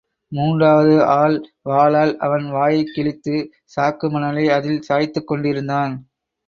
மூன்றாவது ஆள் வாளால் அவன் வாயைக் கிழித்து, சாக்கு மணலை அதில் சாய்த்துக் கொண்டிருந்தான்.